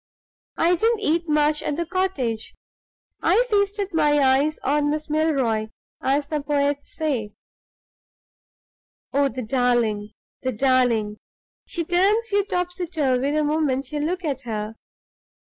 I didn't eat much at the cottage; I feasted my eyes on Miss Milroy, as the poets say. Oh, the darling! the darling! she turns you topsy turvy the moment you look at her.